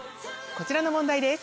こちらの問題です。